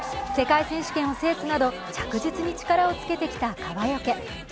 世界選手権を制すなど着実に力をつけてきた川除。